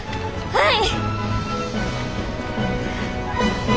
はい！